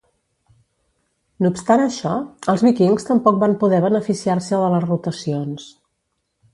No obstant això, els Vikings tampoc van poder beneficiar-se de les rotacions.